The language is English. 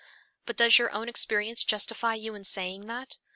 But does your own experience justify you in saying that?